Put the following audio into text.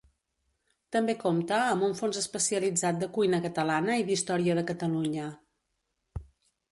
També compta amb un fons especialitzat de cuina catalana i d'història de Catalunya.